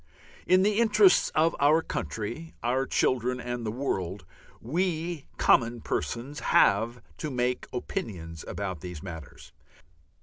In the interests of our country, our children, and the world, we common persons have to have opinions about these matters.